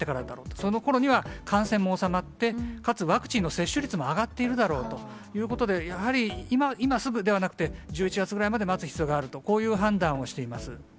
そのころには感染も収まって、かつ、ワクチンの接種率も上がっているだろうということで、やはり、今すぐではなくて、１１月ぐらいまで待つ必要があると、こういう判断をしています。